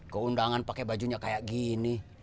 ke undangan pake bajunya kayak gini